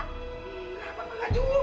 nggak bapak ngajuk dulu